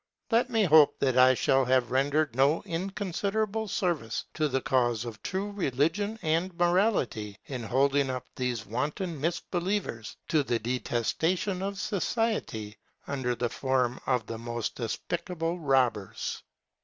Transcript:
Let me hope that I shall have rendered no inconsiderable service to the cause of true religion and morality in holding up these wanton misbelievers to the detestation of society, under the form of the most despicable robbers.